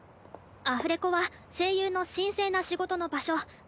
アフレコは声優の神聖な仕事の場所。